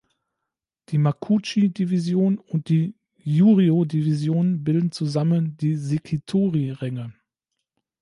Die Makuuchi-Division und die Juryo-Division bilden zusammen die Sekitori-Ränge.